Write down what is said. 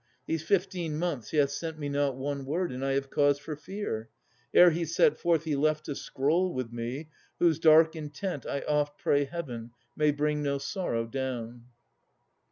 These fifteen months he hath sent me not one word. And I have cause for fear. Ere he set forth He left a scroll with me, whose dark intent I oft pray Heaven may bring no sorrow down.